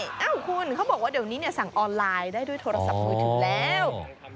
เอ้าคุณเขาบอกว่าเดี๋ยวนี้สั่งออนไลน์ได้ด้วยโทรศัพท์มือถือแล้ว